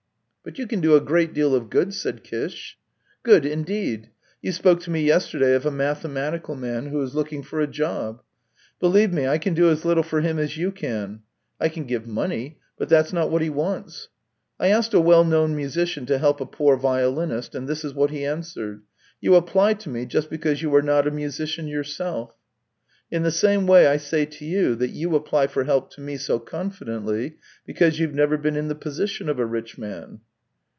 " But you can do a great deal of good," said Kish. " Good, indeed ! You spoke to me yesterday of a mathematical man who is looking for a job. Believe me, I can do as little for him as you can. I can give money, but that's not what he wants. I asked a well known musician to help a poor violinist, and this is what he answered: ' You apply to me just because you are not a musician yourself.' In the same way I say to you that you apply for help to me so confidently because you've never been in the position of a rich man."